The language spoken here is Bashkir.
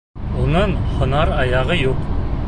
Уның һыңар аяғы юҡ.